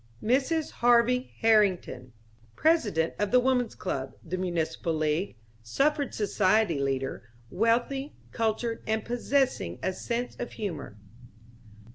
Mrs. Harvey Herrington.... President of the Woman's Club, the Municipal League, Suffrage Society leader, wealthy, cultured and possessing a sense of humor.